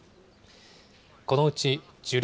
このうち、樹齢